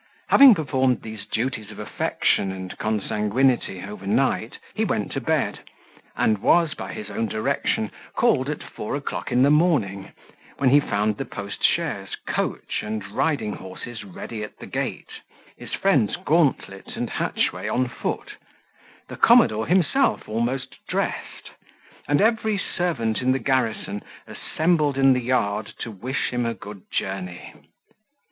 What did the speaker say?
Having performed these duties of affection and consanguinity over night, he went to bed, and was, by his own direction, called at four o'clock in the morning, when he found the post chaise, coach, and riding horses ready at the gate, his friends Gauntlet and Hatchway on foot, the commodore himself almost dressed, and every servant in the garrison assembled in he yard to wish him a good journey.